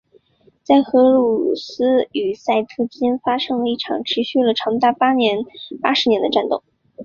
在荷鲁斯与赛特之间发生了一场持续了长达八十年的战斗。